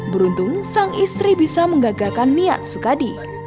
beruntung sang istri bisa menggagalkan niat sukadi